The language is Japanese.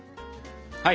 はい。